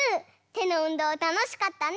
てのうんどうたのしかったね。